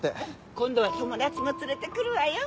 今度は友達も連れて来るわよ。